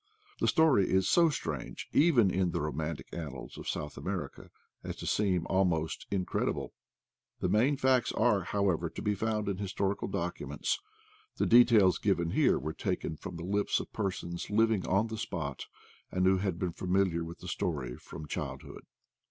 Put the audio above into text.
The story is so strange, even in the romantic annals of South America, as to seem almost incredible. The main facts are, however, to be found in historical docu ments. The details given here were taken from the lips of persons living on the spot, and who had been familiar with the story from childhood.